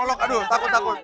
wow colok aduh takut takut